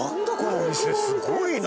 すごいな。